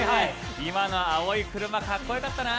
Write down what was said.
今の青い車かっこよかったな。